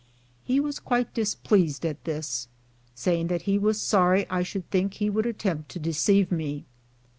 He was quite displeased at this, saying that he was sorry I should think he would attempt to deceive me.